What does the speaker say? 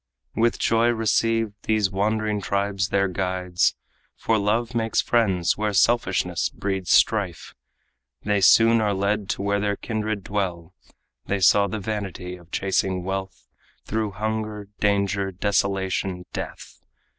With joy received, these wandering tribes their guides For love makes friends where selfishness breeds strife They soon are led to where their kindred dwell. They saw the vanity of chasing wealth Through hunger, danger, desolation, death.